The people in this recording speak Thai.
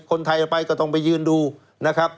คนไทยไปก็ต้องไปยืนดูนะครับ